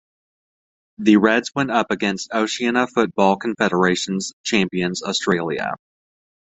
The Reds went up against Oceania Football Confederation's champions Australia.